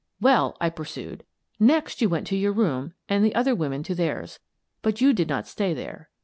" Well," I pursued, " next you went to your room and the other women to theirs. But you did not stay there.